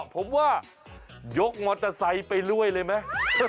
ผมว่ายกมอเตอร์ไซค์ไปเรื่อยเลยไหม